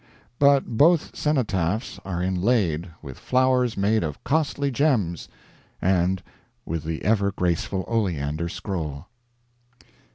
But both cenotaphs are inlaid with flowers made of costly gems, and with the ever graceful oleander scroll."